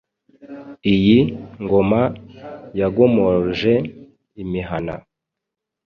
Iyi ngoma yagomoroje imihana.